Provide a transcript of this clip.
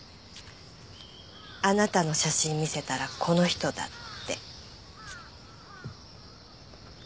あなたの写真見せたらこの人だって。